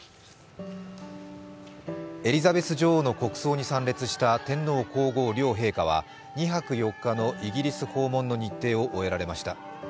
エリザベス女王の国葬に参列した天皇・皇后両陛下は、２泊４日のイギリス訪問の日程を終えられました。